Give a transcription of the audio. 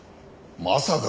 まさか！